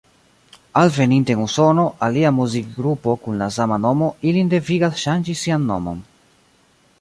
Alveninte en Usono, alia muzikgrupo kun la sama nomo ilin devigas ŝanĝi sian nomon.